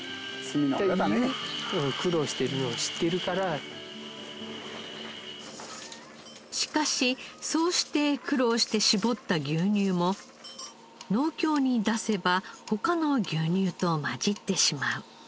一年のね終わりにしかしそうして苦労して搾った牛乳も農協に出せば他の牛乳と混じってしまう。